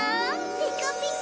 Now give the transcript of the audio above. ピカピカ！